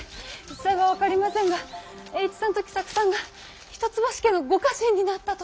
仔細は分かりませんが栄一さんと喜作さんが一橋家のご家臣になったと。